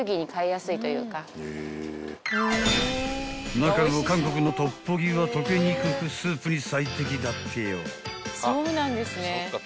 ［中でも韓国のトッポギは溶けにくくスープに最適だってよ］